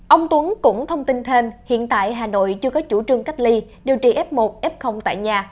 ông tuấn cũng thông tin thêm hiện tại hà nội chưa có chủ trương cách ly điều trị f một f tại nhà